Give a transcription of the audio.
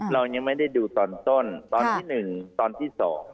เรายังไม่ได้ดูตอนต้นตอนที่๑ตอนที่๒